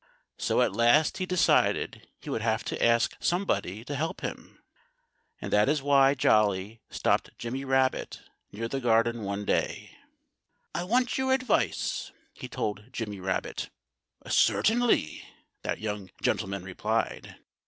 So at last he decided he would have to ask somebody to help him. And that was why Jolly stopped Jimmy Rabbit near the garden one day. "I want your advice," he told Jimmy Rabbit. "Certainly!" that young gentleman replied.